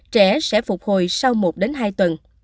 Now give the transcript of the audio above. trẻ sẽ phục hồi sau một hai tuần